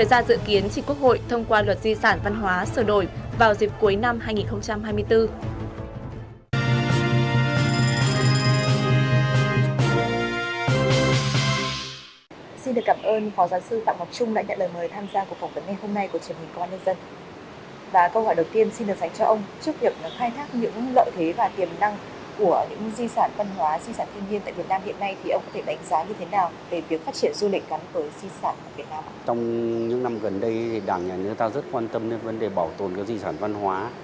trong những năm gần đây đảng nhà nước ta rất quan tâm đến vấn đề bảo tồn di sản văn hóa